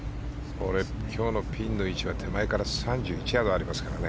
これ、今日のピンの位置は手前から３１ヤードありますからね。